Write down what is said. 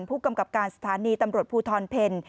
ผู้กำกับการสถานีตำรวจภูทรเพล